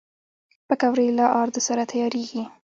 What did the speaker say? پکورې له آردو سره تیارېږي